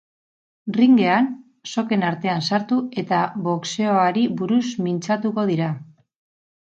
Ringean, soken artean sartu eta boxeoari buruz mintzatuko dira.